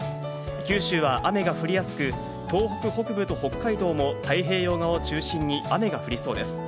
九州は雨が降りやすく、東北北部と北海道も太平洋側を中心に雨が降りそうです。